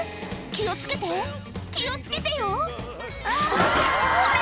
気を付けて気を付けてよほら